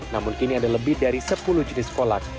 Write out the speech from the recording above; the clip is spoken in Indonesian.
namun kini ada lebih dari sepuluh jenis kolak